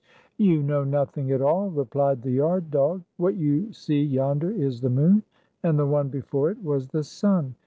"You know nothing at all," replied the yard dog. "What you see yonder is the moon, and the one before it was the sun.